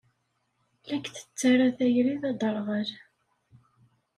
La k-tettara tayri d aderɣal.